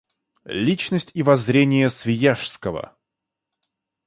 Личность и воззрения Свияжского.